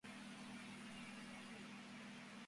Se encuentra en el Paseo de la Castellana, en Madrid, España.